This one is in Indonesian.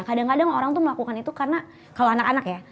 kadang kadang orang tuh melakukan itu karena kalau anak anak ya